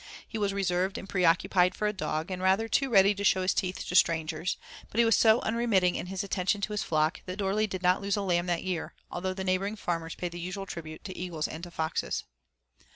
He was reserved and preoccupied for a dog, and rather too ready to show his teeth to strangers, but he was so unremitting in his attention to his flock that Dorley did not lose a lamb that year, although the neighboring farmers paid the usual tribute to eagles and to foxes.